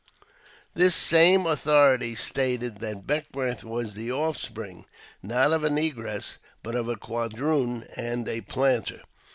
This same authority stated that Beckwourth was the offspring, not of a negress, but of a quadroon and a planter.